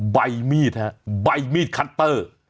ใบมีดฮะใบมีดคัตเตอร์